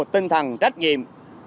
tinh thần trách nhiệm